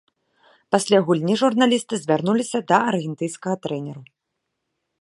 Пасля гульні журналісты звярнуліся да аргентынскага трэнера.